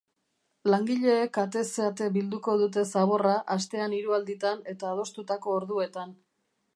Langileek atez ate bilduko dute zaborra astean hiru alditan eta adostutako orduetan.